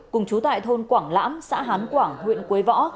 cùng chú tại thôn quảng lãm xã hán quảng huyện quế võ